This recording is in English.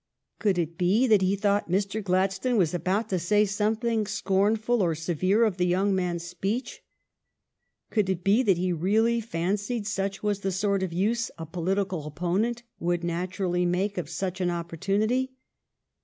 Could it be that he thought Mr. Gladstone was about to say something scornful or severe of the young man's speech ? Could it be that he really fancied such was the sort of use a political opponent would naturally make of such an opportunity